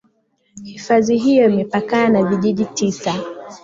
Hifadhi hiyo imepakana na vijiji tisa